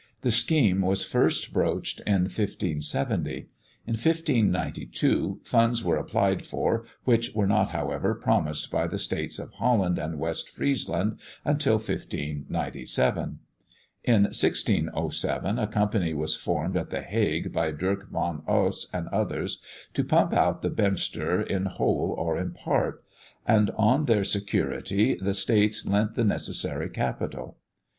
The scheme was first broached in 1570. In 1592 funds were applied for, which were not, however, promised by the States of Holland and West Friesland until 1597. In 1607, a company was formed at the Hague, by Dirck van Oss and others, to pump out the Beemster in whole or in part; and on their security the States lent the necessary capital.